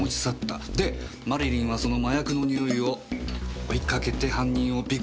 でマリリンはその麻薬の匂いを追いかけて犯人を尾行する。